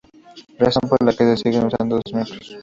Razón, por la que se siguen usando dos micros.